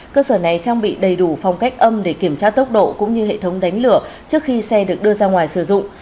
cơ sở này trang bị đầy đủ phong cách âm để kiểm tra tốc độ cũng như hệ thống đánh lửa trước khi xe được đưa ra ngoài sử dụng